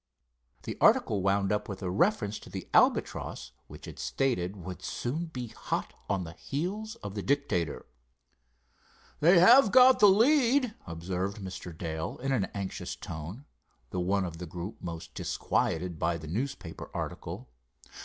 The article wound up with a reference to the Albatross, which it stated, would soon be hot on the heels of the Dictator. "They have got the lead," observed Mr. Dale, in an anxious tone, the one of the group most disquieted by the newspaper article.